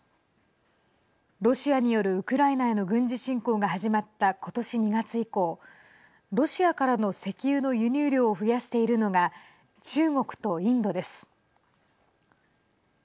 ロシアによるウクライナへの軍事侵攻が始まったことし２月以降ロシアからの石油の輸入量を増やしているのが中国とインドです。